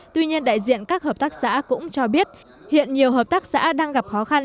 tuy nhiên đại diện các hợp tác xã cũng cho biết hiện nhiều hợp tác xã đang gặp khó khăn